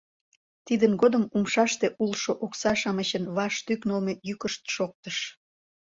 Тидын годым умшаште улшо окса-шамычын ваш тӱкнылмӧ йӱкышт шоктыш.